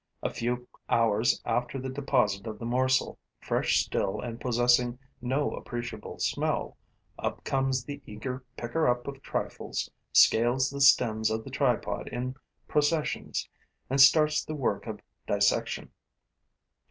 A few hours after the deposit of the morsel, fresh still and possessing no appreciable smell, up comes the eager picker up of trifles, scales the stems of the tripod in processions and starts the work of dissection.